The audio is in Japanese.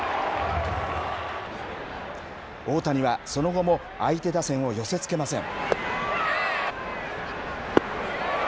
大谷はその後も相手打線を寄せつけません。